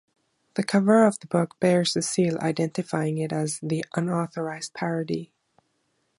The cover of the book bears a seal identifying it as The Unauthorized Parody.